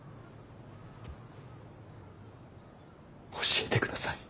教えてください。